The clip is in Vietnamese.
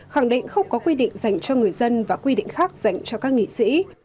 khẳng định không có quy định dành cho người dân và quy định khác dành cho các nghị sĩ